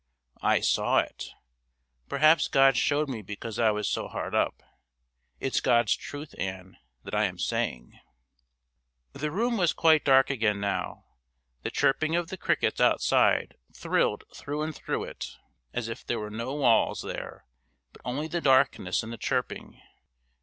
"I saw it. Perhaps God showed me because I was so hard up. It's God's truth, Ann, that I am saying." The room was quite dark again now; the chirping of the crickets outside thrilled through and through it, as if there were no walls there but only the darkness and the chirping.